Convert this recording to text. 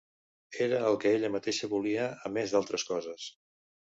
Era el que ella mateixa volia, a més d'altres coses.